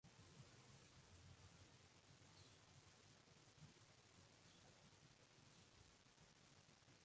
El papa Pío X extendió la celebración de la memoria a toda la Iglesia.